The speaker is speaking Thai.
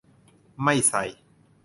ไม่ใส่